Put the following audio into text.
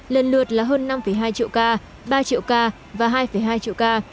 lần lượt là hơn năm hai triệu ca ba triệu ca và hai hai triệu ca